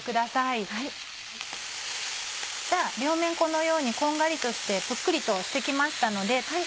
このようにこんがりとしてぷっくりとして来ましたので。